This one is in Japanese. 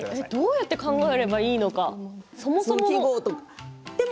どうやって考えればいいのか、そもそも。